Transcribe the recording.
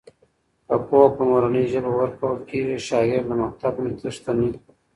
که پوهه په مورنۍ ژبه ورکول کېږي، شاګرد له مکتب نه تښتي نه.